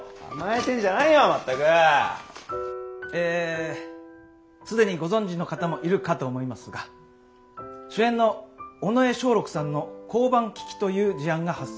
え既にご存じの方もいるかと思いますが主演の尾上松緑さんの降板危機という事案が発生いたしました。